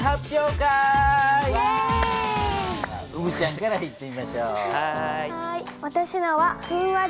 うぶちゃんからいってみましょう。